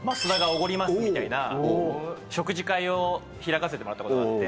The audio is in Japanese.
みたいな食事会を開かせてもらったことがあって。